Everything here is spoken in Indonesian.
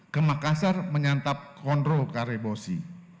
kemakassar menyantap kondro karebosi